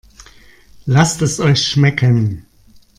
Lasst es euch schmecken!